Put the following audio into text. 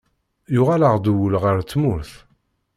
Yuɣal-aɣ-d wul ɣer tmurt.